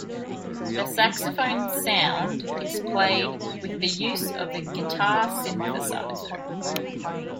The saxophone sound is played with the use of a guitar synthesizer.